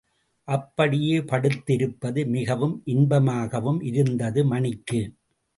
அப்படியே படுத்து இருப்பது மிகவும் இன்பமாகவும் இருந்தது மணிக்கு.